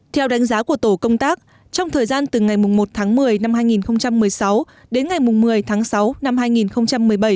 theo đánh giá của tổ công tác trong thời gian từ ngày một tháng một mươi năm hai nghìn một mươi sáu đến ngày một mươi tháng sáu năm hai nghìn một mươi bảy